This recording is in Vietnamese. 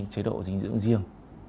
chế độ dinh dưỡng riêng